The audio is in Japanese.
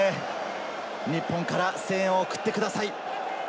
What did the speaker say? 日本から声援を送ってください。